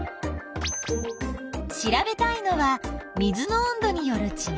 調べたいのは「水の温度」によるちがい。